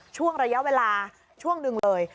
ช่วงระยะเวลาช่วงหนึ่งเลย